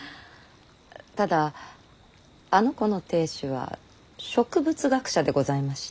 ただあの子の亭主は植物学者でございまして。